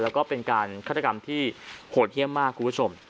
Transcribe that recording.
แล้วก็เป็นการฆาตกรรมที่โหดเยี่ยมมากคุณผู้ชม